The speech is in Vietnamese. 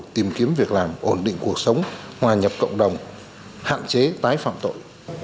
tìm kiếm việc làm ổn định cuộc sống hòa nhập cộng đồng hạn chế tái phạm tội